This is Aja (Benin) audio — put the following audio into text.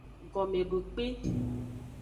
Gomedokpe.